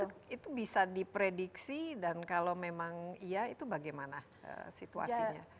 jadi bisa diprediksi dan kalau memang iya itu bagaimana situasinya